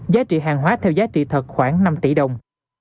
giá trị hàng hóa theo giá trị thật khoảng năm tỷ đồng